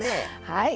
はい。